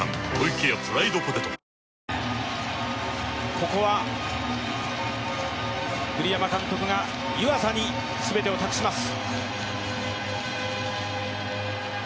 ここは栗山監督が湯浅に全てを託します。